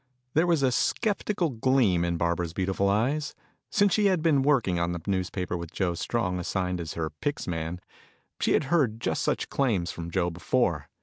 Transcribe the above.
There was a skeptical gleam in Barbara's beautiful eyes. Since she had been working on the newspaper with Joe Strong assigned as her pix man, she had heard just such claims from Joe before.